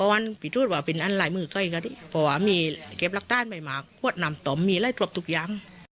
มีระยะทุกอย่าง